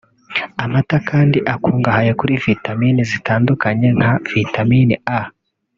Amata kandi akungahaye kuri vitamine zitandukanye nka vitamine A